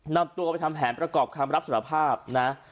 นำตัวไปทำแผนประกอบคำรับสารภาพนะ